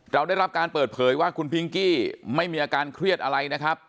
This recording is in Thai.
เราได้รับการเปิดเผยว่าคุณพิงกี้ไม่มีอาการเครียดอะไรนะครับ